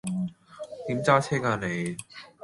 點揸車㗎你